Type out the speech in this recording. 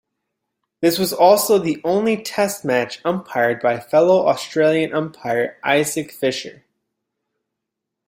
This was also the only Test match umpired by fellow Australian umpire Isaac Fisher.